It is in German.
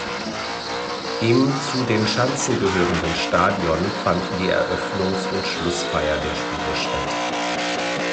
Im zu den Schanzen gehörenden Stadion fanden die Eröffnungs- und Schlussfeier der Spiele statt.